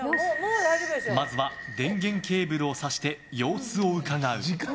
まずは電源ケーブルを挿して様子をうかがう。